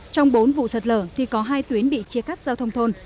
trong bốn vụ sạt lở thì có hai tuyến bị chia cắt giao thông thôn